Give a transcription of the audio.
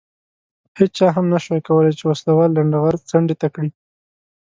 هېچا هم نه شوای کولای چې وسله وال لنډه غر څنډې ته کړي.